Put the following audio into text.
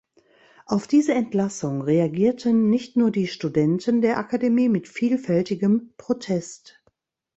Auf diese Entlassung reagierten nicht nur die Studenten der Akademie mit vielfältigem Protest.